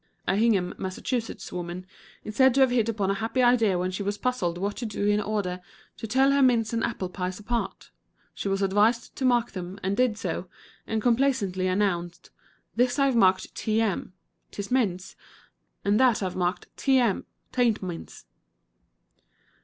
A Hingham, Massachusetts, woman is said to have hit upon a happy idea when she was puzzled what to do in order to tell her mince and apple pies apart. She was advised to mark them, and did so, and complacently announced: "This I've marked 'T. M.' 'Tis mince; an' that I've marked 'T. M.' 'Taint mince."